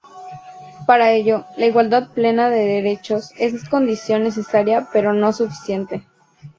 Para ello, la igualdad plena de derechos es condición necesaria pero no suficiente.